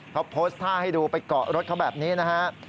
เขาโพสตาร์ให้ดูไปเกาะรถเขาแบบนี้นะครับ